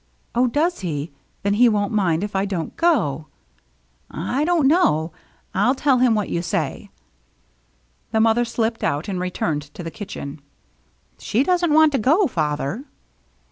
" Oh, does he ? Then he won't mind if I don't go !"" I don't know. I'll tell him what you say." The mother slipped out, and returned to the kitchen. "She doesn't want to go, father."